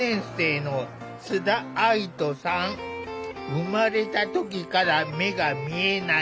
生まれた時から目が見えない。